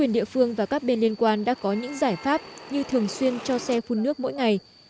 quyền địa phương và các bên liên quan đã có những giải pháp như thường xuyên cho xe phun nước mỗi ngày